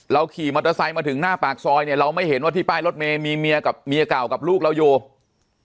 ขี่มอเตอร์ไซค์มาถึงหน้าปากซอยเนี่ยเราไม่เห็นว่าที่ป้ายรถเมย์มีเมียกับเมียเก่ากับลูกเราอยู่